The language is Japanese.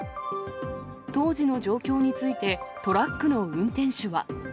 当時の状況について、トラックの運転手は。